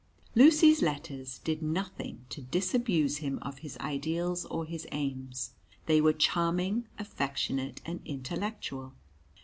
Lucy's letters did nothing to disabuse him of his ideals or his aims. They were charming, affectionate, and intellectual.